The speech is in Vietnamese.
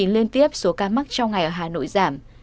liên tiếp số ca mắc trong ngày ở hà nội giảm